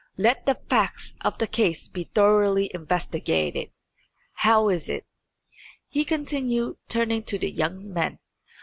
Let the facts of the case be thoroughly investigated. How is it?" he continued, turning to the two young men.